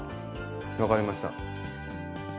分かりました。